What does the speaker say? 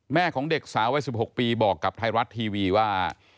ของเด็กสาววัย๑๖ปีบอกกับไทยรัฐทีวีว่า